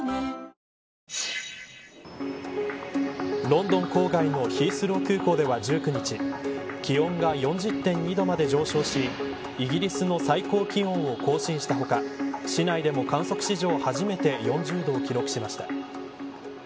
ロンドン郊外のヒースロー空港では１９日気温が４０．２度まで上昇しイギリスの最高気温を更新した他市内でも観測史上初めて４０度を記録しました。